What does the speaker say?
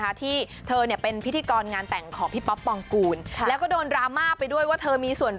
บางทีแบบว่าเป็นแฟนกันไปเลิกกันไปทะเลาะกันต้องมาเจอกันในวงการบรรเทิง